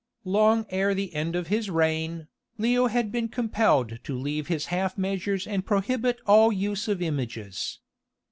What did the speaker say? Long ere the end of his reign, Leo had been compelled to leave his half measures and prohibit all use of images.